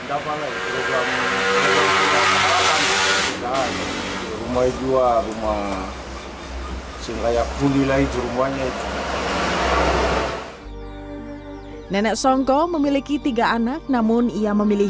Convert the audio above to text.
rumah itu rumah rumah yang punggil aja rumahnya itu nenek songko memiliki tiga anak namun ia memilih